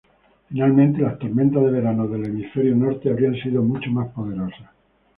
Finalmente, las tormentas de verano del Hemisferio Norte habrían sido mucho más poderosas.